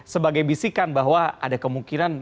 sebagai bisikan bahwa ada kemungkinan